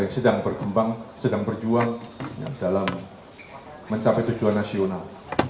yang sedang berkembang sedang berjuang dalam mencapai tujuan nasional